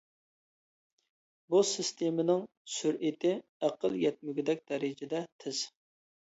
بۇ سىستېمىنىڭ سۈرئىتى ئەقىل يەتمىگۈدەك دەرىجىدە تېز.